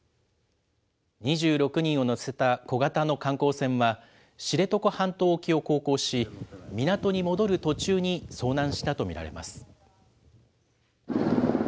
２６人を乗せた小型の観光船は、知床半島沖を航行し、港に戻る途中に遭難したと見られます。